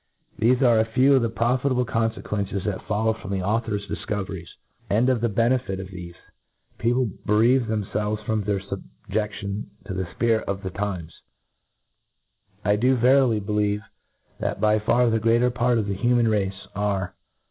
Thcfe are a few of the profitable confequcnces that follow from our author's difcovcrics 5 and of the bene fit ttf P fe E $• A d fei fit rf thcfe, people bereave themfclves, from thei* fubje£tton to the fpirit of the times. — ^I do veri*» \y believe, that by far the greater part of thft human race are.